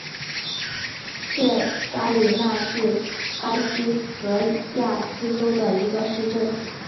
切扎里娜是巴西戈亚斯州的一个市镇。